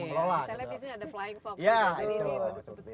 saya lihat di sini ada flying fox